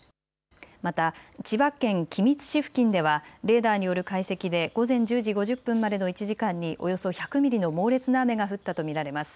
また千葉県君津市付近ではレーダーによる解析で午前１０時５０分までの１時間におよそ１００ミリの猛烈な雨が降ったと見られます。